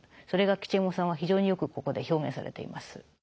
それが吉右衛門さんは非常によくここで表現されています。